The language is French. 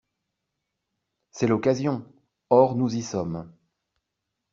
C’est l’occasion ! Or nous y sommes.